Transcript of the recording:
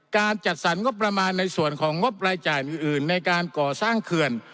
การจัดสรรงบประมาณในส่วนของงบรายจ่ายอื่นในการก่อสร้างเขื่อน